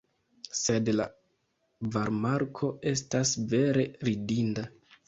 Sed la varmarko estas vere ridinda!